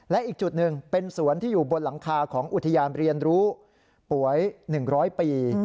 และอีกจุดหนึ่งเป็นสวนที่อยู่บนหลังคาของอุทยานเรียนรู้ป่วย๑๐๐ปี